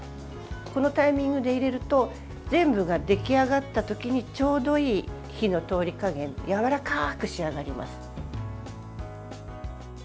このタイミングで入れると全部が出来上がったときにちょうどいい火の通り加減やわらかく仕上がります。